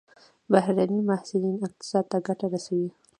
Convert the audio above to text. بهرني محصلین اقتصاد ته ګټه رسوي.